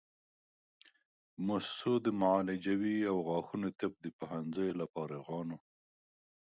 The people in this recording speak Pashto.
موسسو د معالجوي او غاښونو طب د پوهنځیو له فارغانو